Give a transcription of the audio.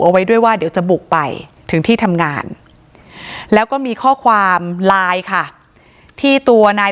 เอาไว้ด้วยว่าเดี๋ยวจะบุกไปถึงที่ทำงานแล้วก็มีข้อความไลน์ค่ะที่ตัวนาย